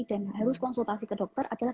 dan harus konsultasi ke dokter adalah